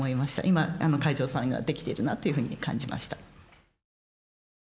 今海城さんができているなというふうに感じました。